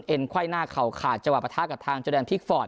ไขว้หน้าเข่าขาดจังหวะประทะกับทางเจ้าแดนพลิกฟอร์ด